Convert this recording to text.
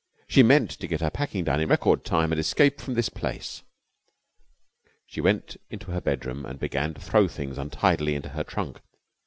She meant to get her packing done in record time and escape from this place. She went into her bedroom and began to throw things untidily into her trunk.